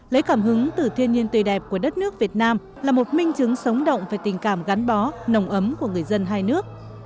lấy cảm hứng từ thiên nhiên tươi đẹp của đất nước việt nam là một minh chứng sống động về tình cảm gắn bó nồng ấm của người dân hai nước